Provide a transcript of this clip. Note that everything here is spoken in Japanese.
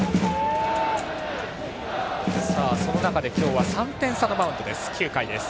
その中で今日は３点差のマウンド、９回です。